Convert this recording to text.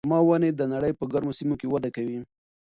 خورما ونې د نړۍ په ګرمو سیمو کې وده کوي.